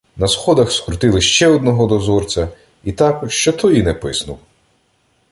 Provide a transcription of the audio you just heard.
На сходах скрутили ще одного дозорця — і так, що той і не писнув.